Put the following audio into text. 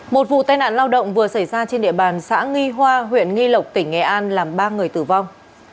một vụ tai nạn lao động vừa xảy ra trên địa bàn xã nghi hoa huyện nghi lộc tỉnh nghệ an làm ba người tử vong